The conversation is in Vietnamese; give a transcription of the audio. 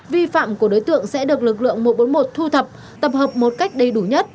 vi phạm của đối tượng sẽ được lực lượng một trăm bốn mươi một thu thập tập hợp một cách đầy đủ nhất